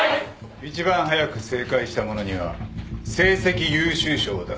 一番早く正解した者には成績優秀賞を出す。